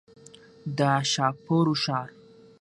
د ښاپورو ښار.